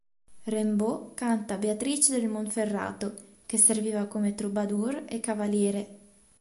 Raimbaut canta Beatrice del Monferrato, che serviva come troubadour e cavaliere.